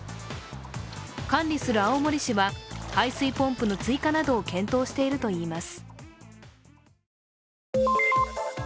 管理する青森市は排水ポンプの追加などを検討しているといいます。